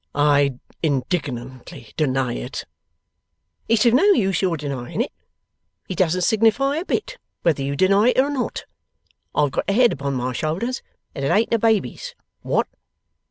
'I indignantly deny it.' 'It's of no use your denying it; it doesn't signify a bit whether you deny it or not; I've got a head upon my shoulders, and it ain't a baby's. What!